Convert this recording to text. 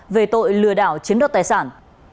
về tội lừa đảo chiếm đất tài sản